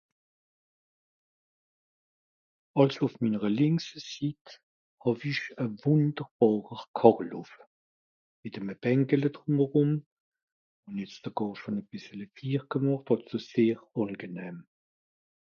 Àlso ùf minnere lìnkse Sitt, hàw-ìch e wùnderbàrer Kàcheloffe, Mìt eme Bänkele drùm erùm, (...) àlso sehr àngenehm.